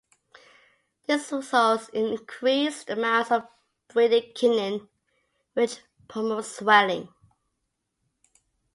This results in increased amounts of bradykinin which promotes swelling.